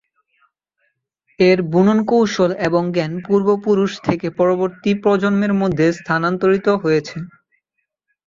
এর বুনন কৌশল এবং জ্ঞান পূর্বপুরুষ থেকে পরবর্তী প্রজন্মের মধ্যে স্থানান্তরিত হয়েছে।